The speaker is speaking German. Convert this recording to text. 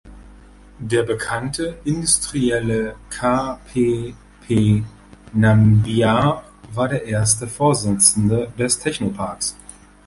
Der bekannte Industrielle K. P. P. Nambiar war der erste Vorsitzende des Technoparks.